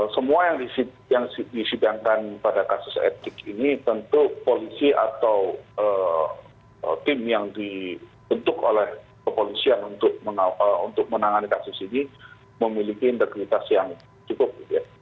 semua yang disidangkan pada kasus etik ini tentu polisi atau tim yang dibentuk oleh kepolisian untuk menangani kasus ini memiliki integritas yang cukup